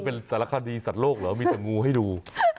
เป็นสารคดีสัตว์โลกเหรอมีแต่งูให้ดู